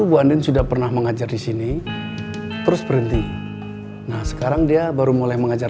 bu andin sudah pernah mengajar di sini terus berhenti nah sekarang dia baru mulai mengajar